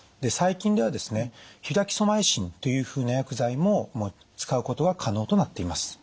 最近ではですねフィダキソマイシンというふうな薬剤も使うことは可能となっています。